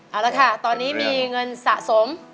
เอาละค่ะตอนนี้มีเงินสะสม